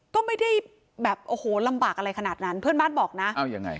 ก็ไม่ได้แบบโอ้โหลำบากอะไรขนาดนั้นเพื่อนบ้านบอกนะเอายังไง